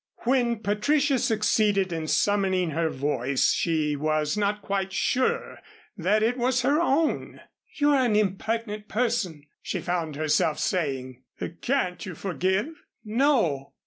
When Patricia succeeded in summoning her voice, she was not quite sure that it was her own. "You're an impertinent person," she found herself saying. "Can't you forgive?" "No."